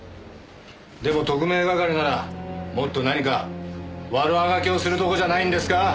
でも特命係ならもっと何か悪あがきをするとこじゃないんですか？